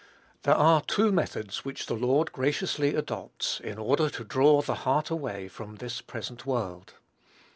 There are two methods which the Lord graciously adopts, in order to draw the heart away from this present world.